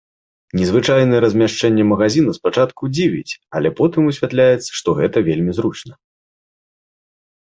Незвычайнае размяшчэнне магазіна спачатку дзівіць, але потым высвятляецца, што гэта вельмі зручна.